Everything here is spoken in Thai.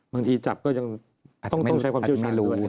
บางทีจับก็ยังต้องใช้ความเชี่ยวชาญอยู่